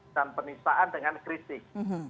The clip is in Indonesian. dan penistaan dengan kritik